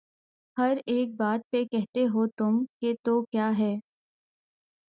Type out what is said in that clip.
ہر ایک بات پہ کہتے ہو تم کہ تو کیا ہے